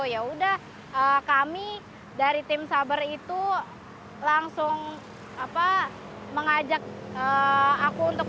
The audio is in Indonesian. yaudah kami dari tim sabar itu langsung mengajak aku untuk